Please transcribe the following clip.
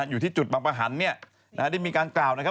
อยู่ที่จุดบางประหันได้มีการกล่าวนะครับ